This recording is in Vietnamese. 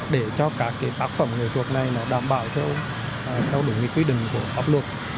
để cho các tác phẩm nghệ thuật này đảm bảo theo đúng quy định của pháp luật